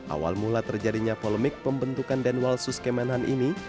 awal mula terjadinya polemik pembentukan denwalsus kemenhan ini